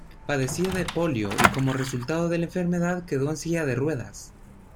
Padecía de polio, y como resultado de la enfermedad quedó en silla de ruedas.